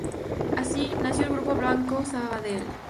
Así, nació el grupo Banco Sabadell.